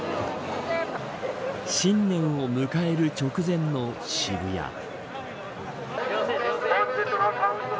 新年を迎える直前の渋谷。